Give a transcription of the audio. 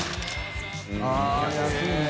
△安いね。